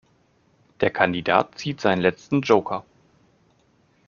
Der Kandidat zieht seinen letzten Joker.